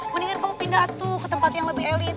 mendingan kamu pindah tuh ke tempat yang lebih elit